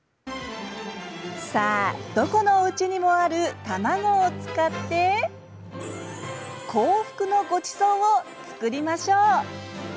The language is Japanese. さあどこのおうちにもある卵を使って「口福のごちそう」を作りましょう！